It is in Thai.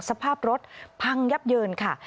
สภาพรถพังยับเยินค่ะ